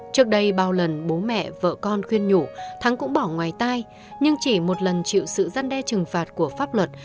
trước đây bao lần bố mẹ vợ con khuyên nhủ thắng cũng bỏ ngoài tai nhưng chỉ một lần chịu sự răn đe trừng phạt của pháp luật